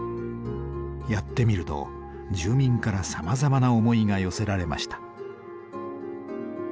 やってみると住民からさまざまな思いが寄せられました。